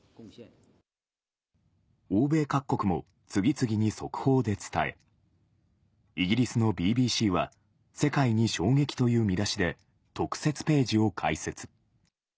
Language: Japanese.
欧米各国も次々に速報で伝え、イギリスのＢＢＣは、世界に衝撃という見出しで、特設ページを開設。